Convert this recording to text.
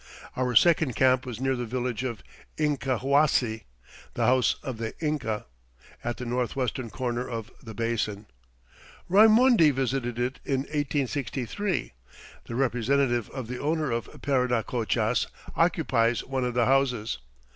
Our second camp was near the village of Incahuasi, "the house of the Inca," at the northwestern corner of the basin. Raimondi visited it in 1863. The representative of the owner of Parinacochas occupies one of the houses.